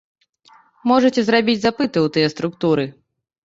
Можаце зрабіць запыты ў тыя структуры.